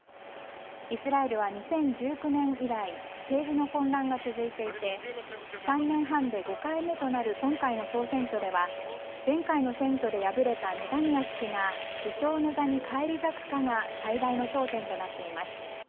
イスラエルは２０１９年以来政治の混乱が続いていて３年半で５回目となる今回の総選挙では前回の選挙で敗れたネタニヤフ氏が首相の座に返り咲くかが最大の焦点となっています。